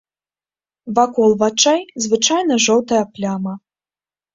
Вакол вачэй звычайна жоўтая пляма.